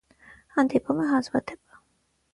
Հանդիպում է հազվադեպ։